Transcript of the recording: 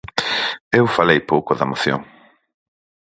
Eu falei pouco da moción.